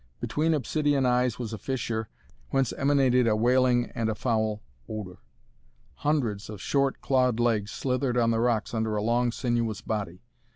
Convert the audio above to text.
Between obsidian eyes was a fissure whence emanated a wailing and a foul odor. Hundreds of short, clawed legs slithered on the rocks under a long sinuous body.